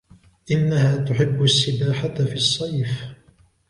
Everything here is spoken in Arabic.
إنها تحب السباحة في الصيف.